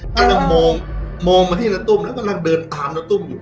กำลังมองมองมาที่นาตุ้มแล้วกำลังเดินตามน้าตุ้มอยู่